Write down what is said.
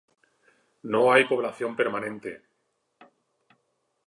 No hay población permanente.